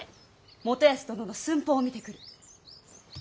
元康殿の寸法を見てくる。